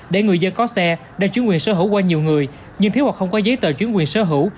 để người dân có xe đã chuyển quyền sở hữu qua nhiều người nhưng thiếu hoặc không có giấy tờ chứng quyền sở hữu